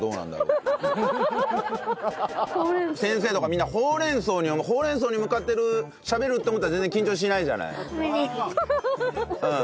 先生とかみんなほうれん草に思うほうれん草に向かってしゃべるって思ったら全然緊張しないじゃない。